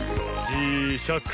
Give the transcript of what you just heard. じしゃく